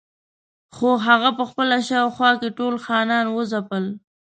خو هغه په خپله شاوخوا کې ټول خانان وځپل.